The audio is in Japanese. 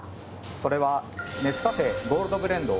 それは。